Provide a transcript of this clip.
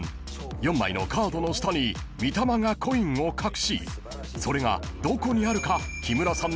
［４枚のカードの下に巳碧がコインを隠しそれがどこにあるか木村さんに当ててもらいます］